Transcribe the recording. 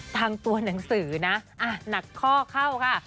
ตัวหนังสือนะหนักข้อเข้าค่ะ